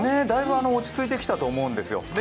大分落ち着いてきたと思うんですよ。